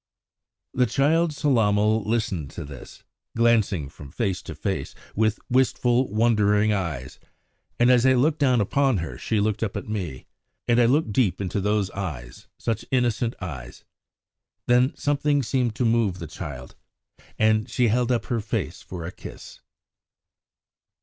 The child Sellamal listened to this, glancing from face to face with wistful, wondering eyes; and as I looked down upon her she looked up at me, and I looked deep into those eyes such innocent eyes. Then something seemed to move the child, and she held up her face for a kiss.